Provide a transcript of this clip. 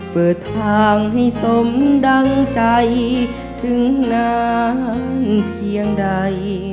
เปิดทางให้สมดังใจถึงนานเพียงใด